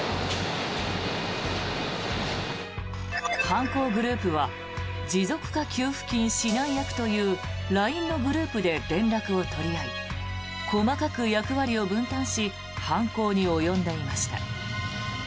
犯行グループは持続化給付金指南役というＬＩＮＥのグループで連絡を取り合い細かく役割を分担し犯行に及んでいました。